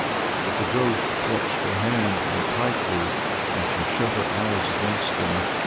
but the ghost clutched her hand more tightly, and she shut her eyes against them.